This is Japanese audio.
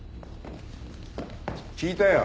聞いたよ。